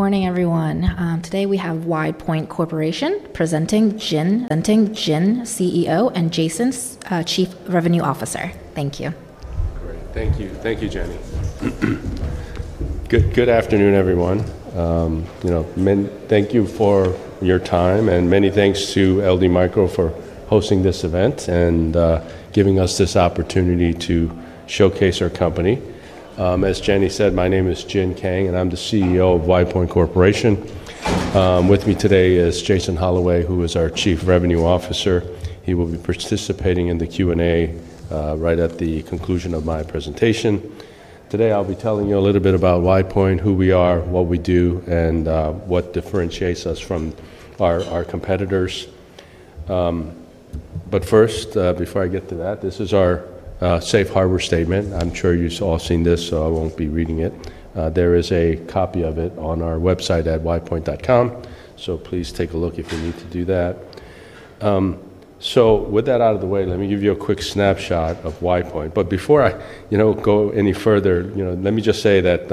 Morning, everyone. Today we have WidePoint Corporation presenting Jin, CEO, and Jason's Chief Revenue Officer. Thank you. Great. Thank you. Thank you, Jenny. Good afternoon, everyone. Thank you for your time, and many thanks to LD Micro for hosting this event and giving us this opportunity to showcase our company. As Jenny said, my name is Jin Kang, and I'm the CEO of WidePoint Corporation. With me today is Jason Holloway, who is our Chief Revenue Officer. He will be participating in the Q&A right at the conclusion of my presentation. Today I'll be telling you a little bit about WidePoint, who we are, what we do, and what differentiates us from our competitors. Before I get to that, this is our safe harbor statement. I'm sure you've all seen this, so I won't be reading it. There is a copy of it on our website at widepoint.com, so please take a look if you need to do that. With that out of the way, let me give you a quick snapshot of WidePoint. Before I go any further, let me just say that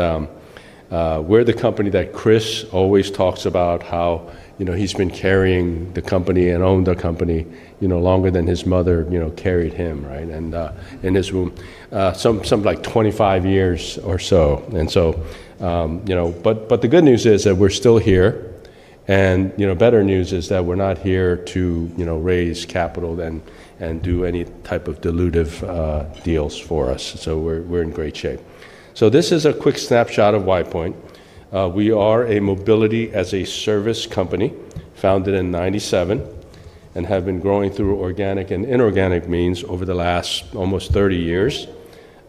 we're the company that Chris always talks about, how he's been carrying the company and owned the company longer than his mother carried him, right? In his room, something like 25 years or so. The good news is that we're still here, and better news is that we're not here to raise capital and do any type of dilutive deals for us. We're in great shape. This is a quick snapshot of WidePoint. We are a mobility as a service company founded in 1997 and have been growing through organic and inorganic means over the last almost 30 years.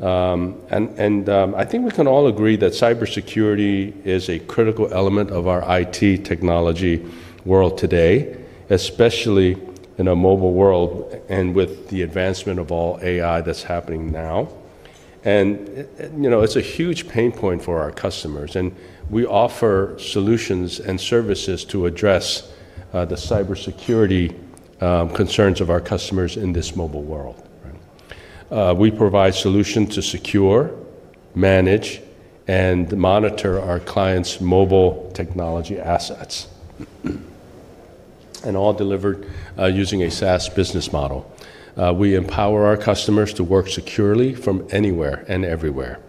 I think we can all agree that cybersecurity is a critical element of our IT technology world today, especially in a mobile world and with the advancement of all AI that's happening now. It's a huge pain point for our customers, and we offer solutions and services to address the cybersecurity concerns of our customers in this mobile world. We provide solutions to secure, manage, and monitor our clients' mobile technology assets, all delivered using a SaaS business model. We empower our customers to work securely from anywhere and everywhere.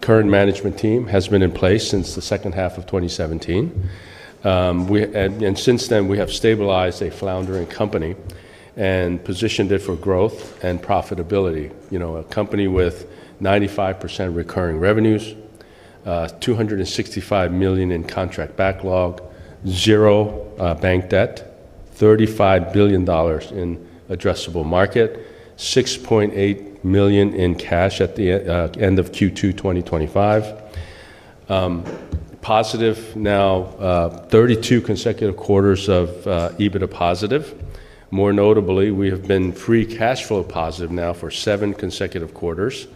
The current management team has been in place since the second half of 2017, and since then we have stabilized a floundering company and positioned it for growth and profitability. A company with 95% recurring revenues, $265 million in contract backlog, zero bank debt, $35 billion in addressable market, $6.8 million in cash at the end of Q2 2025. Positive now 32 consecutive quarters of EBITDA positive. More notably, we have been free cash flow positive now for seven consecutive quarters.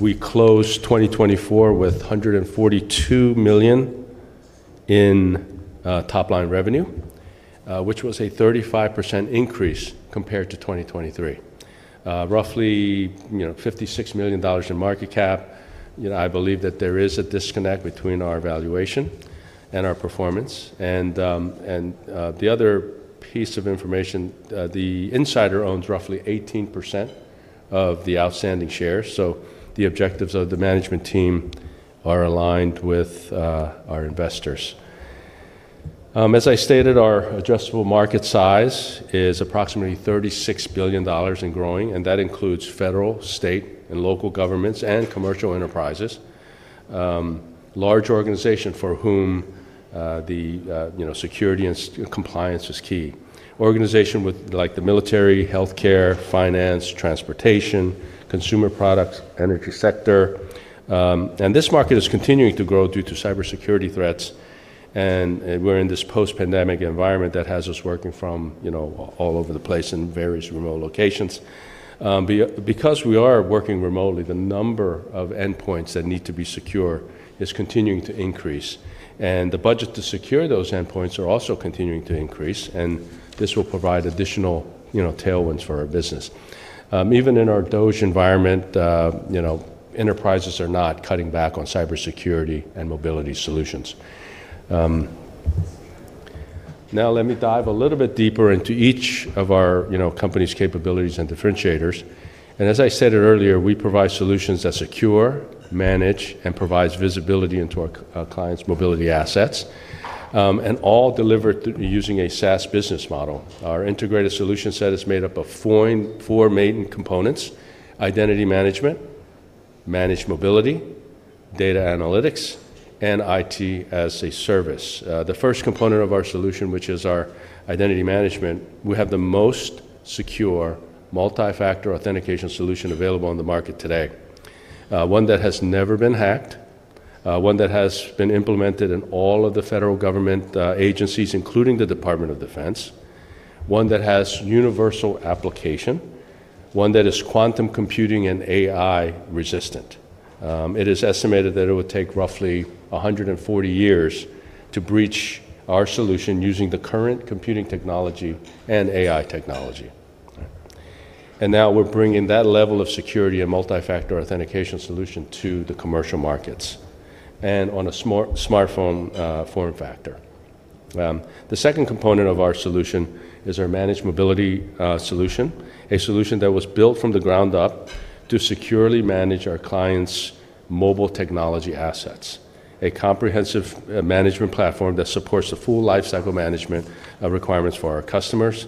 We closed 2024 with $142 million in top line revenue, which was a 35% increase compared to 2023. Roughly $56 million in market cap. I believe that there is a disconnect between our valuation and our performance. The other piece of information, the insider owns roughly 18% of the outstanding shares, so the objectives of the management team are aligned with our investors. As I stated, our addressable market size is approximately $36 billion and growing, and that includes federal, state, and local governments and commercial enterprises. A large organization for whom the security and compliance is key. Organization with like the military, healthcare, finance, transportation, consumer products, energy sector. This market is continuing to grow due to cybersecurity threats, and we're in this post-pandemic environment that has us working from all over the place in various remote locations. Because we are working remotely, the number of endpoints that need to be secure is continuing to increase, and the budget to secure those endpoints are also continuing to increase, and this will provide additional tailwinds for our business. Even in our DOGE environment, enterprises are not cutting back on cybersecurity and mobility solutions. Now let me dive a little bit deeper into each of our company's capabilities and differentiators. As I said earlier, we provide solutions that secure, manage, and provide visibility into our clients' mobility assets, and all delivered using a SaaS business model. Our integrated solution set is made up of four main components: identity management, managed mobility, data analytics, and IT as a service. The first component of our solution, which is our identity management, we have the most secure multi-factor authentication solution available on the market today. One that has never been hacked, one that has been implemented in all of the federal government agencies, including the Department of Defense, one that has universal application, one that is quantum computing and AI resistant. It is estimated that it would take roughly 140 years to breach our solution using the current computing technology and AI technology. Now we're bringing that level of security and multi-factor authentication solution to the commercial markets and on a smartphone form factor. The second component of our solution is our managed mobility solution, a solution that was built from the ground up to securely manage our clients' mobile technology assets. A comprehensive management platform that supports the full lifecycle management requirements for our customers.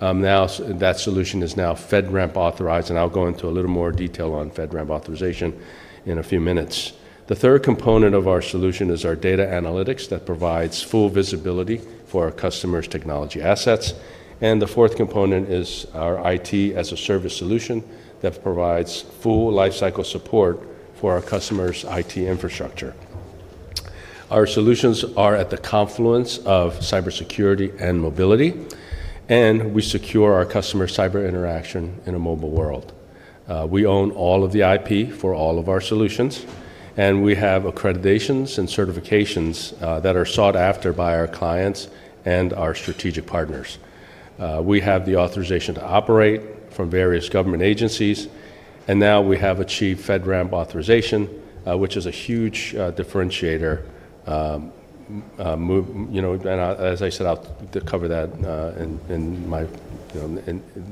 That solution is now FedRAMP authorized, and I'll go into a little more detail on FedRAMP authorization in a few minutes. The third component of our solution is our data analytics that provides full visibility for our customers' technology assets. The fourth component is our IT as a service solution that provides full lifecycle support for our customers' IT infrastructure. Our solutions are at the confluence of cybersecurity and mobility, and we secure our customers' cyber interaction in a mobile world. We own all of the IP for all of our solutions, and we have accreditations and certifications that are sought after by our clients and our strategic partners. We have the authorization to operate from various government agencies, and now we have achieved FedRAMP authorization, which is a huge differentiator. As I said, I'll cover that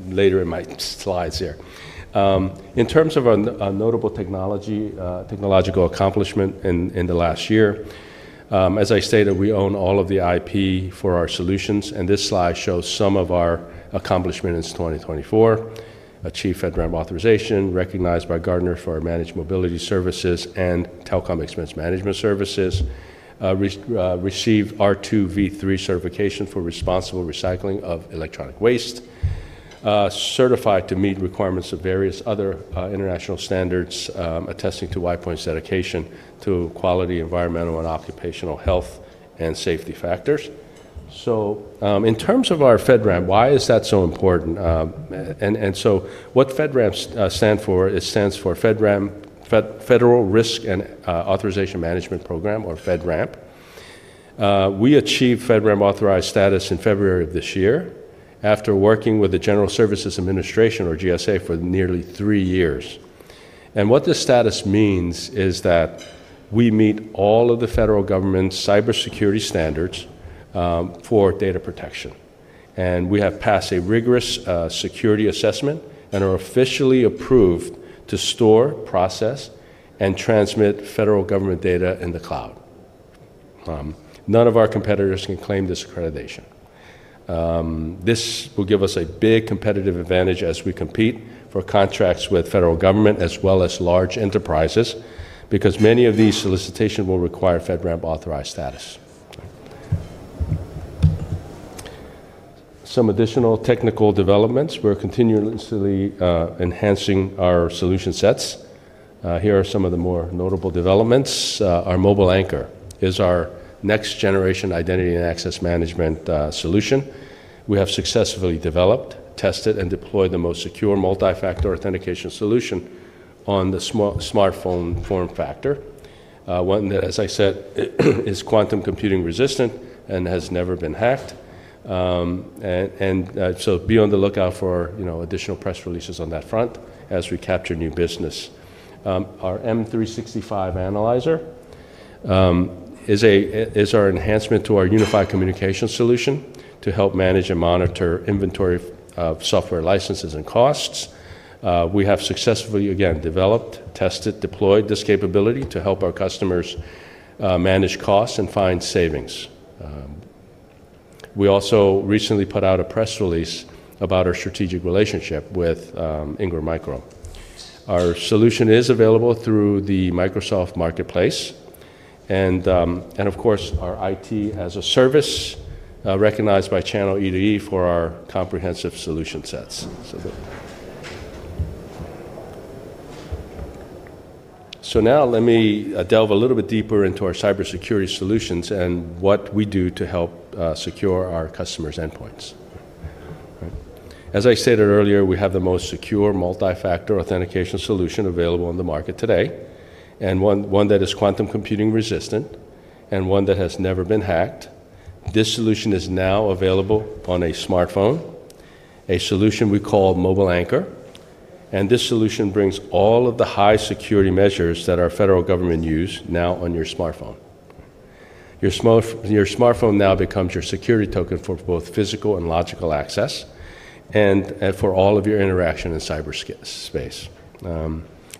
later in my slides here. In terms of a notable technological accomplishment in the last year, as I stated, we own all of the IP for our solutions, and this slide shows some of our accomplishments in 2024. Achieved FedRAMP authorization, recognized by Gartner for our managed mobility services and telecom expense management services. Received R2 V3 certification for responsible recycling of electronic waste. Certified to meet requirements of various other international standards attesting to WidePoint's dedication to quality, environmental, and occupational health and safety factors. In terms of our FedRAMP, why is that so important? What FedRAMP stands for is Federal Risk and Authorization Management Program, or FedRAMP. We achieved FedRAMP authorized status in February of this year after working with the General Services Administration, or GSA, for nearly three years. What this status means is that we meet all of the federal government's cybersecurity standards for data protection, and we have passed a rigorous security assessment and are officially approved to store, process, and transmit federal government data in the cloud. None of our competitors can claim this accreditation. This will give us a big competitive advantage as we compete for contracts with federal government as well as large enterprises, because many of these solicitations will require FedRAMP authorized status. Some additional technical developments. We're continuously enhancing our solution sets. Here are some of the more notable developments. Our Mobile Anchor is our next-generation Identity & Access Management solution. We have successfully developed, tested, and deployed the most secure multi-factor authentication solution on the smartphone form factor, one that, as I said, is quantum computing resistant and has never been hacked. Be on the lookout for additional press releases on that front as we capture new business. Our M365 analyzer is our enhancement to our unified communication solution to help manage and monitor inventory of software licenses and costs. We have successfully, again, developed, tested, deployed this capability to help our customers manage costs and find savings. We also recently put out a press release about our strategic relationship with Ingram Micro. Our solution is available through the Microsoft Marketplace, and of course, our IT as a service recognized by Channel EDE for our comprehensive solution sets. Let me delve a little bit deeper into our cybersecurity solutions and what we do to help secure our customers' endpoints. As I stated earlier, we have the most secure multi-factor authentication solution available on the market today, and one that is quantum computing resistant and one that has never been hacked. This solution is now available on a smartphone, a solution we call Mobile Anchor, and this solution brings all of the high security measures that our federal government use now on your smartphone. Your smartphone now becomes your security token for both physical and logical access and for all of your interaction in cyberspace.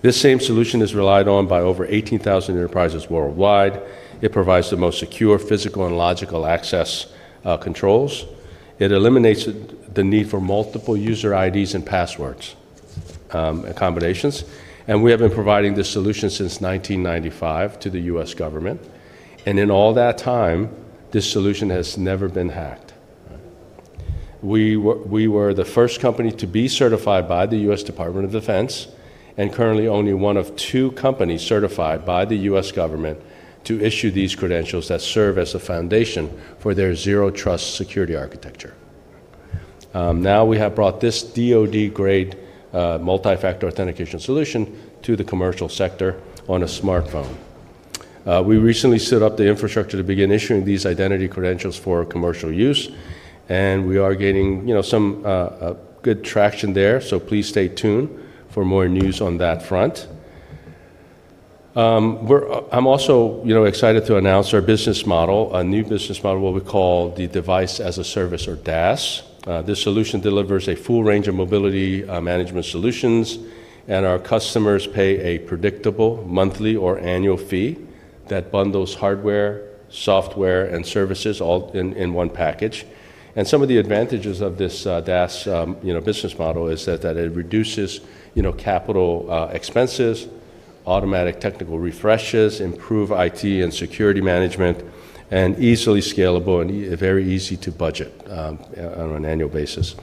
This same solution is relied on by over 18,000 enterprises worldwide. It provides the most secure physical and logical access controls. It eliminates the need for multiple user IDs and passwords and combinations. We have been providing this solution since 1995 to the U.S. government, and in all that time, this solution has never been hacked. We were the first company to be certified by the U.S. Department of Defense, and currently only one of two companies certified by the U.S. government to issue these credentials that serve as a foundation for their zero trust security architecture. Now we have brought this DoD-grade multi-factor authentication solution to the commercial sector on a smartphone. We recently set up the infrastructure to begin issuing these identity credentials for commercial use, and we are getting some good traction there, so please stay tuned for more news on that front. I'm also excited to announce our business model, a new business model, what we call the Device-as-a-Service, or DAS. This solution delivers a full range of mobility management solutions, and our customers pay a predictable monthly or annual fee that bundles hardware, software, and services all in one package. Some of the advantages of this DAS business model is that it reduces capital expenses, automatic technical refreshes, improved IT and security management, and easily scalable and very easy to budget on an annual basis.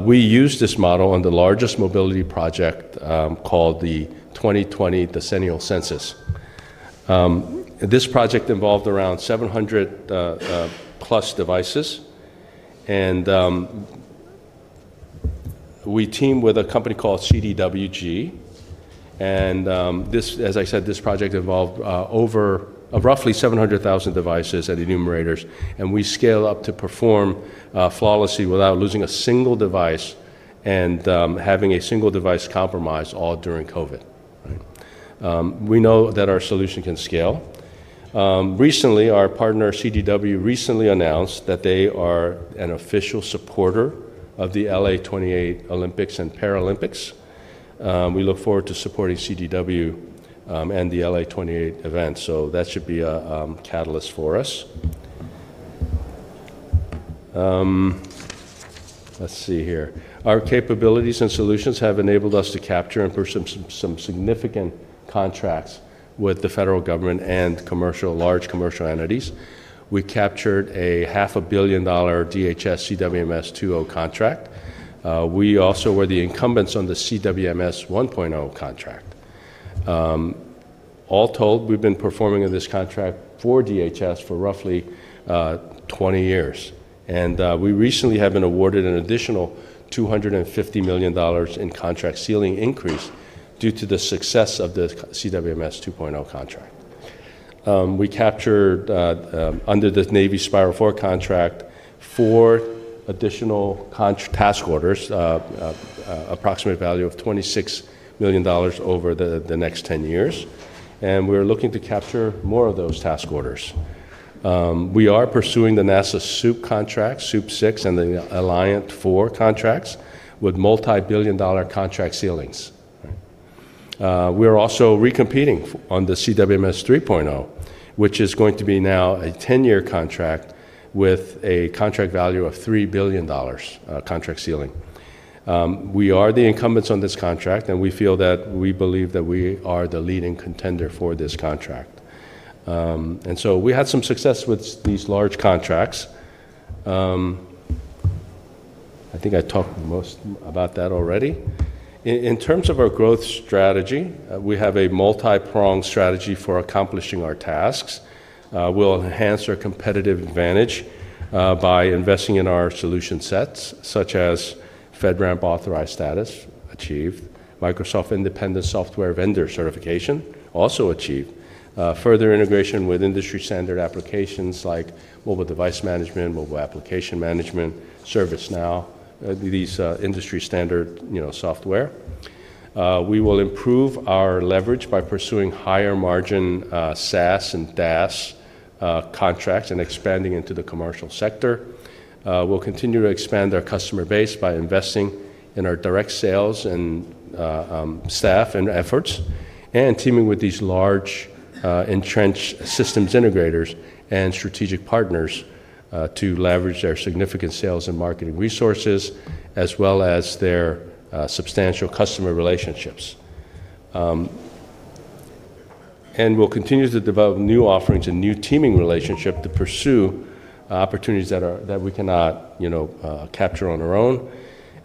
We used this model on the largest mobility project called the 2020 Decennial Census. This project involved around 700 plus devices, and we teamed with a company called CDWG. As I said, this project involved over roughly 700,000 devices and enumerators, and we scaled up to perform flawlessly without losing a single device and having a single device compromise all during COVID. We know that our solution can scale. Recently, our partner CDW recently announced that they are an official supporter of the LA 28 Olympics and Paralympics. We look forward to supporting CDW and the LA 28 event, so that should be a catalyst for us. Let's see here. Our capabilities and solutions have enabled us to capture and pursue some significant contracts with the federal government and large commercial entities. We captured a half a billion dollar DHS CWMS 2.0 contract. We also were the incumbents on the CWMS 1.0 contract. All told, we've been performing in this contract for DHS for roughly 20 years, and we recently have been awarded an additional $250 million in contract ceiling increase due to the success of the CWMS 2.0 contract. We captured under the Navy Spiral 4 contract four additional task orders, approximate value of $26 million over the next 10 years, and we are looking to capture more of those task orders. We are pursuing the NASA SOOP contract, SOOP 6, and the Alliant 4 contracts with multi-billion dollar contract ceilings. We are also recompeting on the CWMS 3.0, which is going to be now a 10-year contract with a contract value of $3 billion contract ceiling. We are the incumbents on this contract, and we feel that we believe that we are the leading contender for this contract. We had some success with these large contracts. I think I talked most about that already. In terms of our growth strategy, we have a multi-pronged strategy for accomplishing our tasks. We'll enhance our competitive advantage by investing in our solution sets, such as FedRAMP authorized status achieved, Microsoft Independent Software Vendor certification also achieved, further integration with industry standard applications like mobile device management, mobile application management, ServiceNow, these industry standard software. We will improve our leverage by pursuing higher margin SaaS and Device-as-a-Service contracts and expanding into the commercial sector. We'll continue to expand our customer base by investing in our direct sales and staff and efforts and teaming with these large entrenched systems integrators and strategic partners to leverage their significant sales and marketing resources, as well as their substantial customer relationships. We'll continue to develop new offerings and new teaming relationships to pursue opportunities that we cannot capture on our own.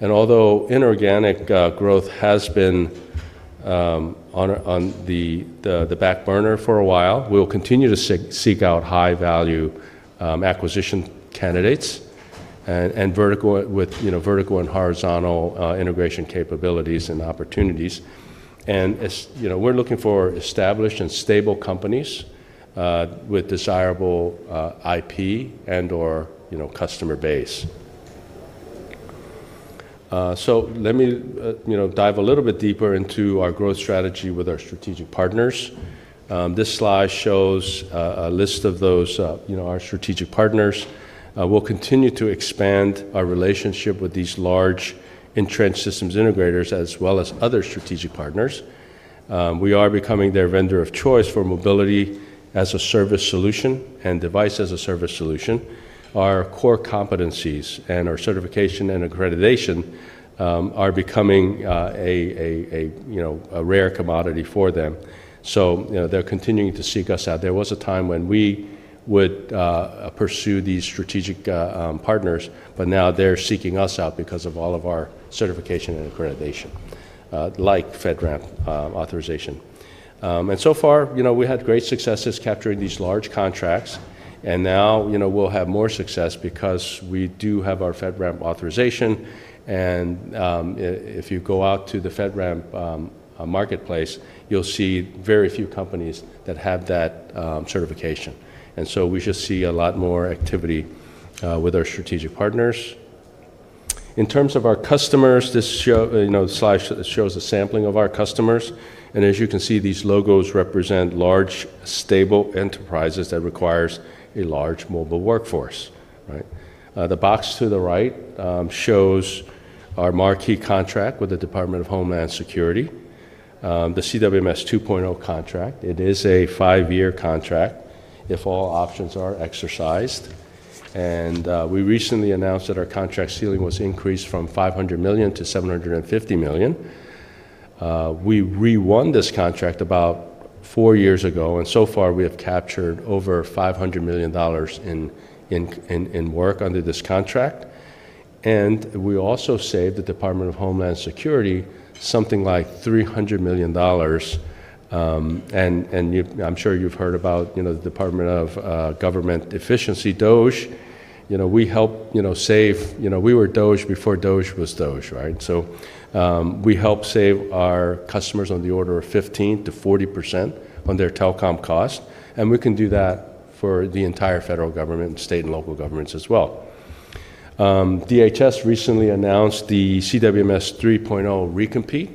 Although inorganic growth has been on the back burner for a while, we'll continue to seek out high-value acquisition candidates and vertical and horizontal integration capabilities and opportunities. We're looking for established and stable companies with desirable IP and/or customer base. Let me dive a little bit deeper into our growth strategy with our strategic partners. This slide shows a list of those, our strategic partners. We'll continue to expand our relationship with these large entrenched systems integrators, as well as other strategic partners. We are becoming their vendor of choice for mobility as a service solution and Device-as-a-Service solution. Our core competencies and our certification and accreditation are becoming a rare commodity for them. They're continuing to seek us out. There was a time when we would pursue these strategic partners, but now they're seeking us out because of all of our certification and accreditation, like FedRAMP authorization. So far, we had great successes capturing these large contracts, and now we'll have more success because we do have our FedRAMP authorization. If you go out to the FedRAMP marketplace, you'll see very few companies that have that certification. We should see a lot more activity with our strategic partners. In terms of our customers, this slide shows a sampling of our customers. As you can see, these logos represent large, stable enterprises that require a large mobile workforce. The box to the right shows our marquee contract with the Department of Homeland Security, the CWMS 2.0 contract. It is a five-year contract if all options are exercised. We recently announced that our contract ceiling was increased from $500 million-$750 million. We rewon this contract about four years ago, and so far we have captured over $500 million in work under this contract. We also saved the Department of Homeland Security something like $300 million. I'm sure you've heard about the Department of Government Efficiency, DOGE. We helped save. We were DOGE before DOGE was DOGE, right? We helped save our customers on the order of 15%-40% on their telecom costs. We can do that for the entire federal government and state and local governments as well. DHS recently announced the CWMS 3.0 recompete.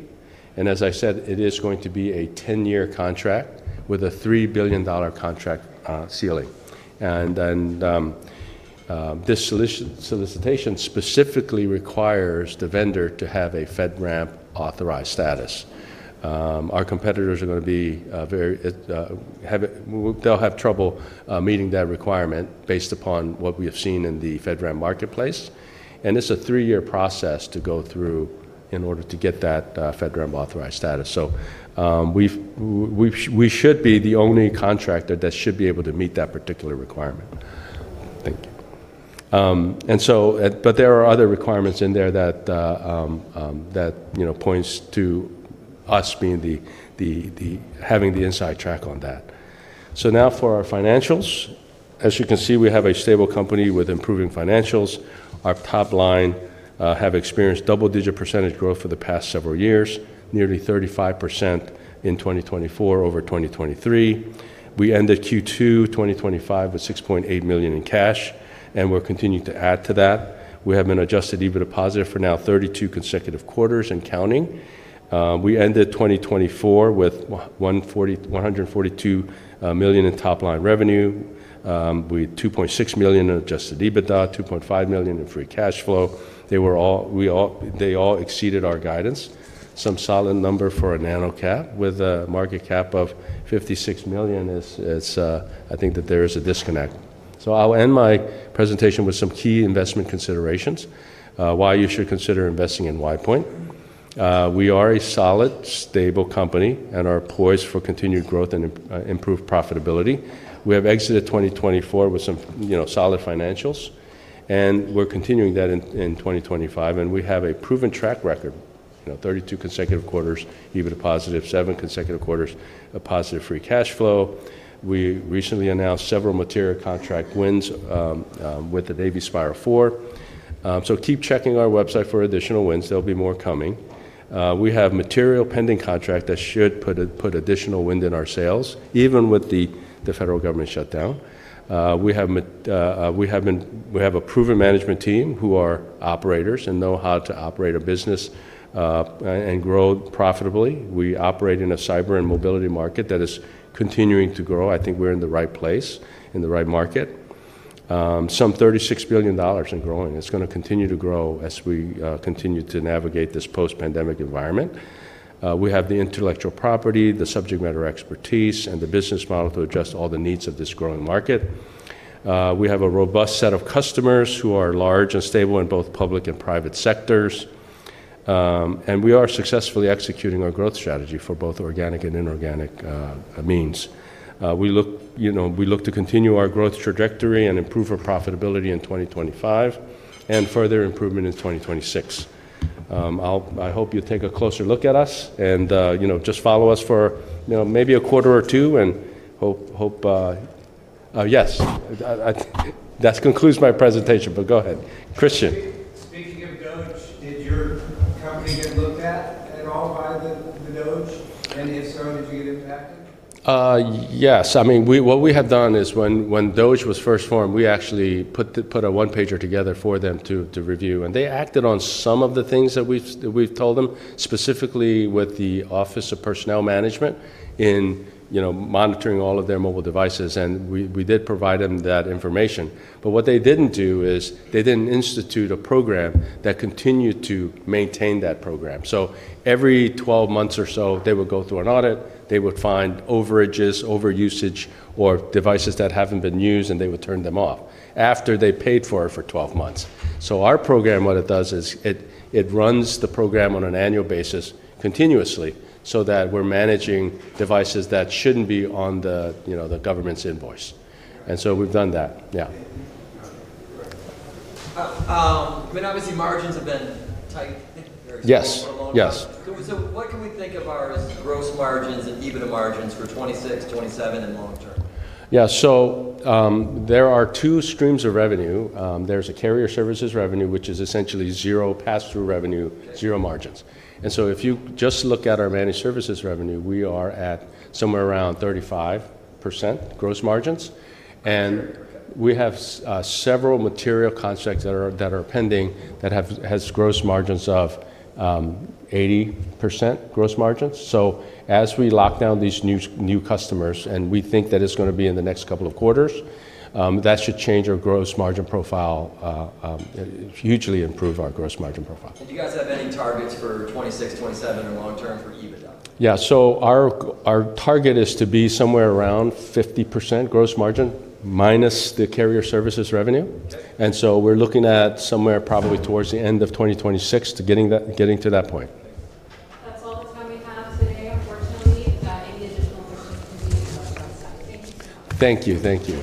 As I said, it is going to be a 10-year contract with a $3 billion contract ceiling. This solicitation specifically requires the vendor to have a FedRAMP authorized status. Our competitors are going to be very, they'll have trouble meeting that requirement based upon what we have seen in the FedRAMP marketplace. It is a three-year process to go through in order to get that FedRAMP authorized status. We should be the only contractor that should be able to meet that particular requirement. Thank you. There are other requirements in there that point to us having the inside track on that. Now for our financials, as you can see, we have a stable company with improving financials. Our top line has experienced double-digit percentage growth for the past several years, nearly 35% in 2024 over 2023. We ended Q2 2025 with $6.8 million in cash, and we're continuing to add to that. We have an adjusted EBITDA positive for now 32 consecutive quarters and counting. We ended 2024 with $142 million in top line revenue. We had $2.6 million in adjusted EBITDA, $2.5 million in free cash flow. They all exceeded our guidance. Some solid number for a nano cap with a market cap of $56 million is, I think that there is a disconnect. I'll end my presentation with some key investment considerations, why you should consider investing in WidePoint. We are a solid, stable company and are poised for continued growth and improved profitability. We have exited 2024 with some solid financials, and we're continuing that in 2025. We have a proven track record, 32 consecutive quarters EBITDA positive, seven consecutive quarters positive free cash flow. We recently announced several material contract wins with the Navy Spiral 4. Keep checking our website for additional wins. There'll be more coming. We have material pending contracts that should put additional wind in our sails, even with the federal government shutdown. We have a proven management team who are operators and know how to operate a business and grow profitably. We operate in a cyber and mobility market that is continuing to grow. I think we're in the right place in the right market. Some $36 billion and growing. It's going to continue to grow as we continue to navigate this post-pandemic environment. We have the intellectual property, the subject matter expertise, and the business model to address all the needs of this growing market. We have a robust set of customers who are large and stable in both public and private sectors, and we are successfully executing our growth strategy for both organic and inorganic means. We look to continue our growth trajectory and improve our profitability in 2025 and further improvement in 2026. I hope you take a closer look at us and just follow us for maybe a quarter or two. Yes, that concludes my presentation, but go ahead. Christian. Speaking of DHS, did your company get looked at at all by the DHS? If so, did you get impacted? Yes. I mean, what we have done is when DOGE was first formed, we actually put a one-pager together for them to review, and they acted on some of the things that we've told them, specifically with the Office of Personnel Management in monitoring all of their mobile devices. We did provide them that information. What they didn't do is they didn't institute a program that continued to maintain that program. Every 12 months or so, they would go through an audit. They would find overages, overusage, or devices that haven't been used, and they would turn them off after they paid for it for 12 months. Our program runs the program on an annual basis continuously so that we're managing devices that shouldn't be on the government's invoice. We've done that. Yeah. I mean, obviously, margins have been tight? Yes. What can we think of our gross margins and EBITDA margins for 2026, 2027, and long term? Yeah. There are two streams of revenue. There's a carrier services revenue, which is essentially zero pass-through revenue, zero margins. If you just look at our managed services revenue, we are at somewhere around 35% gross margins. We have several material contracts that are pending that have gross margins of 80%. As we lock down these new customers, and we think that it's going to be in the next couple of quarters, that should change our gross margin profile, hugely improve our gross margin profile. Do you guys have any targets for 2026, 2027, and long term for EBITDA? Yeah. Our target is to be somewhere around 50% gross margin minus the carrier services revenue. We're looking at somewhere probably towards the end of 2026 to getting to that point. That's all the time we have today. Unfortunately, any additional questions can be asked on the website. Thank you so much. Thank you. Thank you.